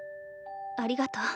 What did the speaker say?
ありがとう。